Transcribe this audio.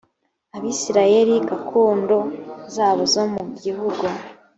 abisirayeli gakondo zabo zo mu gihugu